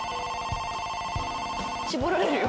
絞られるよ。